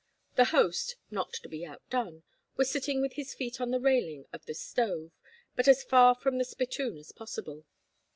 The host, not to be outdone, was sitting with his feet on the railing of the stove, but as far from the spittoon as possible.